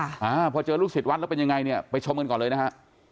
อ่าพอเจอลูกศิษย์วัดแล้วเป็นยังไงเนี่ยไปชมกันก่อนเลยนะฮะ